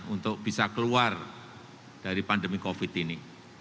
untuk bisa keluar dari pandemi covid sembilan belas ini